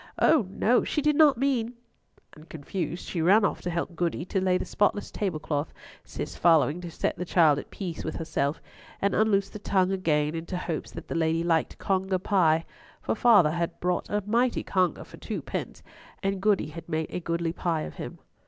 Oh no; she did not mean—" and, confused, she ran off to help Goody to lay the spotless tablecloth, Cis following to set the child at peace with herself, and unloose the tongue again into hopes that the lady liked conger pie; for father had bought a mighty conger for twopence, and Goody had made a goodly pie of him.